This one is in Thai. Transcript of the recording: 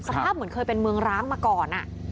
เหมือนเคยเป็นเมืองร้างมาก่อน